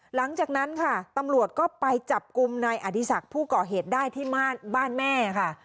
หลังจากนั้นค่ะตำรวจก็ไปจับกลุ่มนายอดีศักดิ์ผู้ก่อเหตุได้ที่บ้านแม่ค่ะ